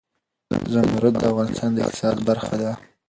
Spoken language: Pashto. زمرد د افغانستان د اقتصاد برخه ده.